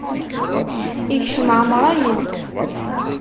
Ikcem ɛamṛayen.